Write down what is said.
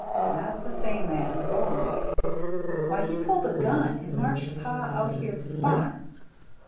" That's the same man. Go on." "Why, he pulled a gun, and marched Pa out here to the barn.